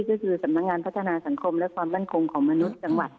ก็คือสำนักงานพัฒนาสังคมและความมั่นคงของมนุษย์จังหวัด